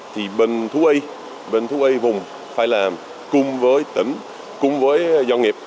thì bên thú y bên thú y vùng phải làm cùng với tỉnh cùng với doanh nghiệp